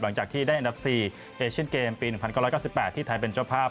หลังจากที่ได้อันดับ๔เอเชียนเกมปี๑๙๙๘ที่ไทยเป็นเจ้าภาพ